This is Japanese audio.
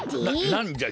ななんじゃ？